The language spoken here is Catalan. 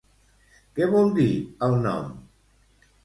Què vol dir el nom?